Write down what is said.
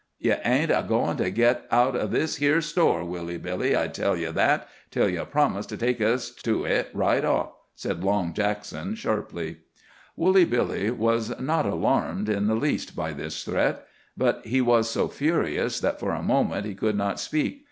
"Ye ain't agoin' to git out o' this here store, Woolly Billy, I tell ye that, till ye promise to take us to it right off," said Long Jackson sharply. Woolly Billy was not alarmed in the least by this threat. But he was so furious that for a moment he could not speak.